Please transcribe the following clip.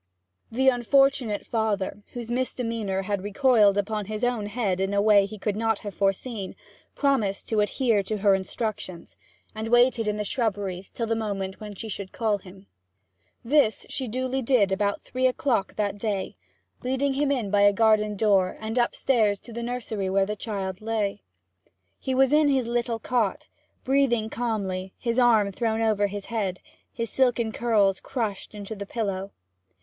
The unfortunate father, whose misdemeanour had recoiled upon his own head in a way he could not have foreseen, promised to adhere to her instructions, and waited in the shrubberies till the moment when she should call him. This she duly did about three o'clock that day, leading him in by a garden door, and upstairs to the nursery where the child lay. He was in his little cot, breathing calmly, his arm thrown over his head, and his silken curls crushed into the pillow.